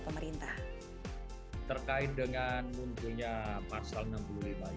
kembangunannya pun tetap harus mengikuti norma standar prosedur dan kriteria yang diatur pemerintah